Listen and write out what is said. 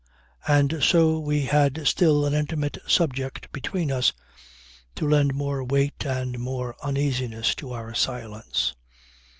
And so we had still an intimate subject between us to lend more weight and more uneasiness to our silence.